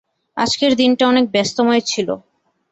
আজকের দিনটা অনেক ব্যস্তময় ছিল।